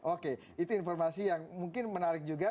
oke itu informasi yang mungkin menarik juga